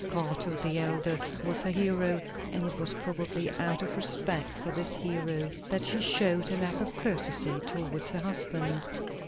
Cato the Elder was her hero, and it was probably out of respect for this hero that she showed a lack of courtesy towards her husband.